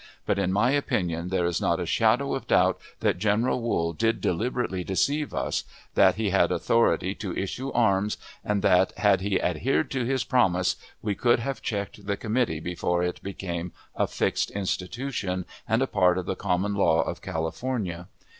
But, in my opinion, there is not a shadow of doubt that General Wool did deliberately deceive us; that he had authority to issue arms, and that, had he adhered to his promise, we could have checked the committee before it became a fixed institution, and a part of the common law of California.